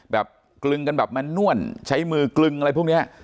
กลึงกันแบบมันน่วนใช้มือกลึงอะไรพวกนี้